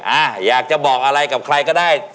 อ่าอยากจะบอกอะไรกับใครก็ได้